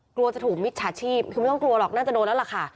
กลัวจะถูกมิจฉาชีพคือไม่ต้องกลัวหรอกน่าจะโดนแล้วล่ะค่ะ